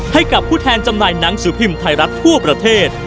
ให้กับผู้แทนจำหน่ายหนังสือพิมพ์ไทยรัฐทั่วประเทศ